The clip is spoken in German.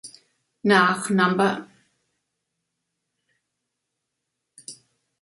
Nach "No.